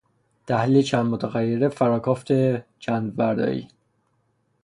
تحلیل چند متغیره، فراکافت چند وردایی